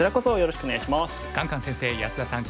カンカン先生安田さん